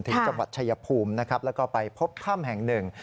ถึงจังหวัดเฉยภูมิแล้วก็ไปพบค่ำแห่งหนึ่ง